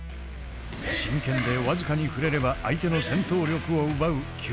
真剣で僅かに触れれば相手の戦闘力を奪う急所。